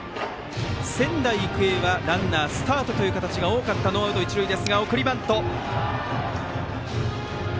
仙台育英はランナースタートという形が多かったノーアウト一塁ですが送りバントの構え。